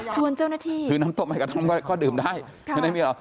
ชวนเจ้าหน้าที่คือน้ำท่อมใหม่กับท่อมก็ดื่มได้